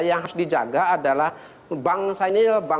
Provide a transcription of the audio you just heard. yang harus dijaga adalah bangsa ini